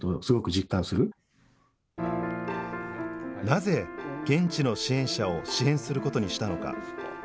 なぜ現地の支援者を支援することにしたのか。